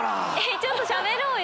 ちょっとしゃべろうよ！